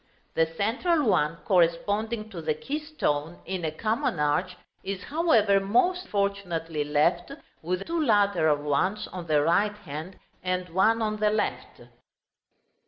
The central one, corresponding to the keystone in a common arch, is, however, most fortunately left, with two lateral ones on the right hand, and one on the left.